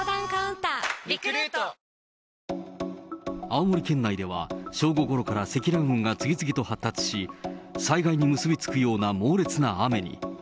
青森県内では、正午ごろから積乱雲が次々と発達し、災害に結び付くような猛烈な雨に。